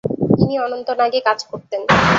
ইনি অনন্তনাগ-এ কাজ করতেন।